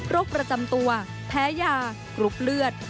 ประจำตัวแพ้ยากรุ๊ปเลือด